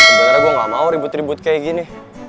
sebenarnya gue gak mau ribut ribut kayak gini